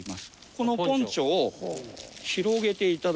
このポンチョを広げて頂きまして。